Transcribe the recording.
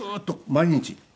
毎日！？